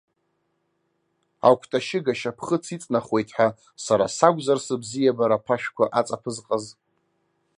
Акәты ашьыга ашьапхыц иҵнахуеит ҳәа, сара сакәзар сыбзиабара аԥашәқәа аҵаԥызҟаз?